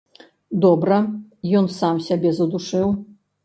Добра, ён сам сябе задушыў.